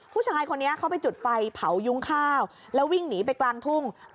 ผู้ชายคนนี้เขาไปจุดไฟเผายุ้งข้าวแล้ววิ่งหนีไปกลางทุ่ง